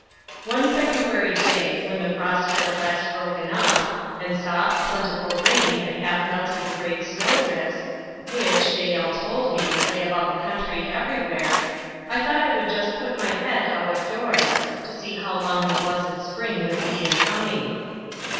One February day, when the frost had at last broken up, and soft, plentiful rain had half melted the great snow drifts, which, Jael told me, lay about the country everywhere, I thought I would just put my head out of doors, to see how long the blessed spring would be in coming.